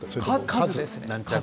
数ですか？